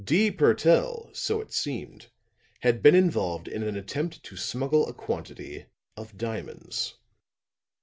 D. Purtell, so it seemed, had been involved in an attempt to smuggle a quantity of diamonds.